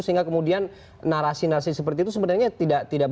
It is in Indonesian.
sehingga kemudian narasi narasi seperti itu sebenarnya tidak bawa ke dalam